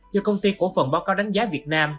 do công ty cổ phần báo cáo đánh giá việt nam